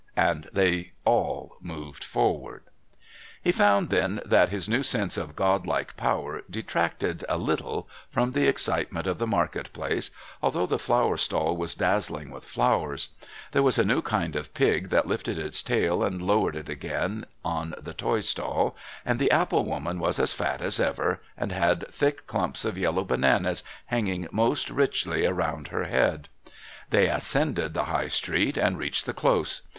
And they all moved forward. He found then that this new sense or God like power detracted a little from the excitements of the Market Place, although the flower stall was dazzling with flowers; there was a new kind of pig that lifted its tail and lowered it again on the toy stall, and the apple woman was as fat as ever and had thick clumps of yellow bananas hanging most richly around her head. They ascended the High Street and reached the Close.